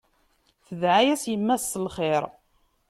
Tedɛa-yas yemma-s s lxir.